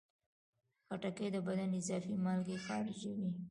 خټکی د بدن اضافي مالګې خارجوي.